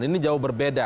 ini jauh berbeda